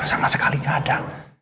sama sekali gak ada